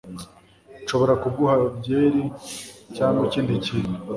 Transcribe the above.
Nshobora kuguha byeri cyangwa ikindi kintu?